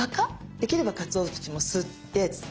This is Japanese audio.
できればかつお節もすって。